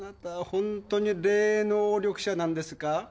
本当に霊能力者なんですか？